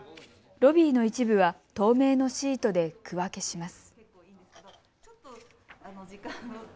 ロビーの一部は透明のシートで区分けします。